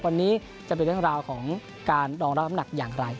วันนี้จะเป็นเรื่องราวของการรองรับน้ำหนักอย่างไร